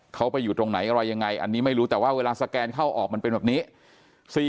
เขาไปอยู่ตรงไหนอะไรยังไงอันนี้ไม่รู้แต่ว่าเวลาสแกนเข้าออกมันเป็นแบบนี้